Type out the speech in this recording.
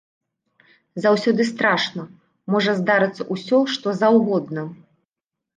Заўсёды страшна, можа здарыцца ўсё што заўгодна.